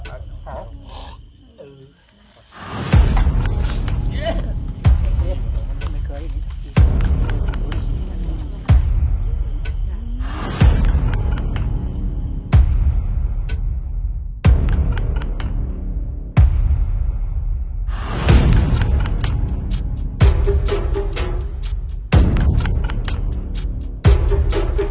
อ้าวสาธุ